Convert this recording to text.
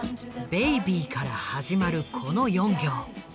「Ｂａｂｙ」から始まるこの４行。